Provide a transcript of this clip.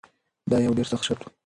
دا یو ډیر سخت شرط و.